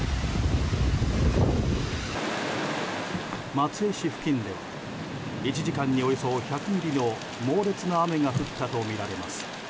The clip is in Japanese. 松江市付近では１時間におよそ１００ミリの猛烈な雨が降ったとみられます。